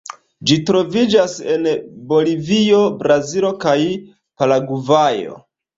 Ĝi troviĝas en Bolivio, Brazilo kaj Paragvajo.